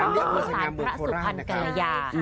คือสังพระสุภัณฑ์เกาะยา